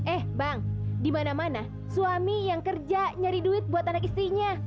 eh bang di mana mana suami yang kerja nyari duit buat anak istrinya